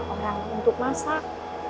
orang untuk masak